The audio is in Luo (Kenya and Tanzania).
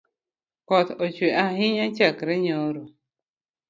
Koth ochwe ahinya chakre nyoro.